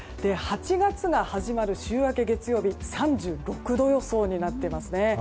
８月が始まる週明け月曜日は３６度予想になっていますね。